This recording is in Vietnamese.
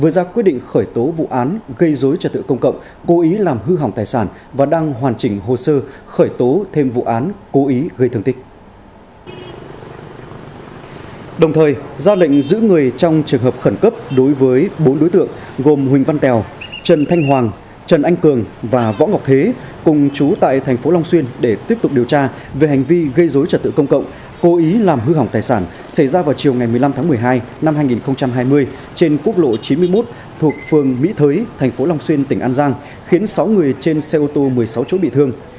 giao lệnh giữ người trong trường hợp khẩn cấp đối với bốn đối tượng gồm huỳnh văn tèo trần thanh hoàng trần anh cường và võ ngọc thế cùng chú tại thành phố long xuyên để tiếp tục điều tra về hành vi gây dối trật tự công cộng cố ý làm hư hỏng tài sản xảy ra vào chiều ngày một mươi năm tháng một mươi hai năm hai nghìn hai mươi trên quốc lộ chín mươi một thuộc phường mỹ thới thành phố long xuyên tỉnh an giang khiến sáu người trên xe ô tô một mươi sáu chỗ bị thương